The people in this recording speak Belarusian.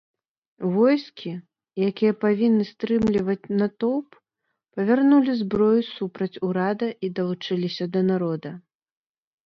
Войскі, якія павінны стрымліваць натоўп, павярнулі зброю супраць урада і далучыліся да народа.